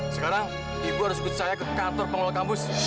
sekarang ibu harus ikut saya ke kantor pengelola kampus